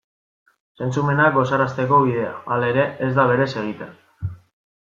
Zentzumenak gozarazteko bidea, halere, ez da berez egiten.